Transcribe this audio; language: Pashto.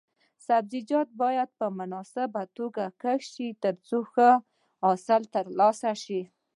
سبزیجات باید په مناسبه توګه کښت شي ترڅو ښه حاصل ترلاسه شي.